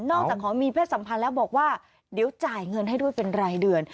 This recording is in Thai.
ขอมีเพศสัมพันธ์แล้วบอกว่าเดี๋ยวจ่ายเงินให้ด้วยเป็นรายเดือน